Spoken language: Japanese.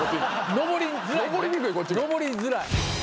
登りづらい。